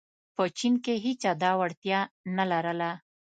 په چین کې هېچا دا وړتیا نه لرله.